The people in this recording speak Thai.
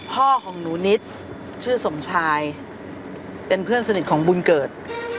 พ่อของหนูนิดชื่อสมชายเป็นเพื่อนสนิทของบุญเกิด